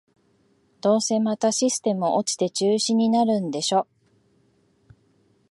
どうせまたシステム落ちて中止になるんでしょ